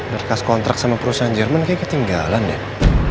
berkas kontrak sama perusahaan jerman kayaknya ketinggalan deh